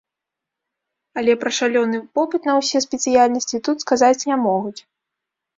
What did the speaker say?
Але пра шалёны попыт на ўсе спецыяльнасці тут сказаць не могуць.